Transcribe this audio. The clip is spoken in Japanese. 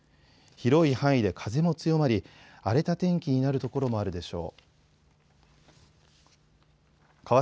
広い範囲で風も強まり、荒れた天気になる所もあるでしょう。